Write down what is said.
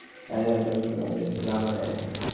এজন্যই তারা তোমাদের টাকা দেয়।